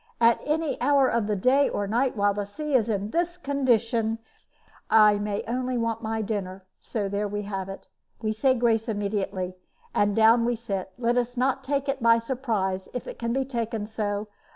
At any hour of the day or night, while the sea is in this condition, I may want my dinner; and there we have it. We say grace immediately, and down we sit. Let us take it by surprise, if it can be taken so.